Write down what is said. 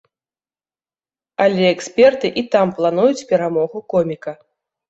Але эксперты і там плануюць перамогу коміка.